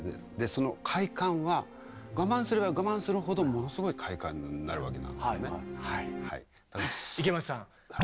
その快感は我慢すれば我慢するほどものすごい快感になるわけなんですよね。